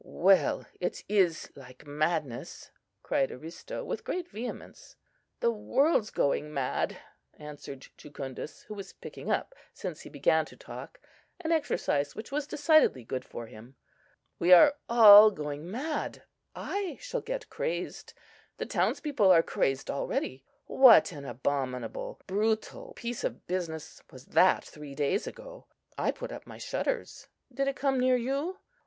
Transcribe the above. "Well, it is like madness!" cried Aristo, with great vehemence. "The world's going mad!" answered Jucundus, who was picking up, since he began to talk, an exercise which was decidedly good for him. "We are all going mad! I shall get crazed. The townspeople are crazed already. What an abominable, brutal piece of business was that three days ago! I put up my shutters. Did it come near you?